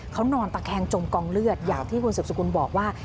เขานอนตะแคงจมกองเลือดอย่างที่คุณสืบสกุลบอกว่า